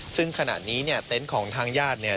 ซึ่งขณะนี้เนี่ยเต็นต์ของทางญาติเนี่ย